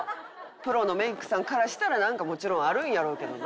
プロのメイクさんからしたらなんかもちろんあるんやろうけどな。